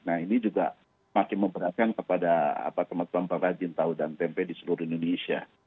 nah ini juga makin memberatkan kepada teman teman perajin tahu dan tempe di seluruh indonesia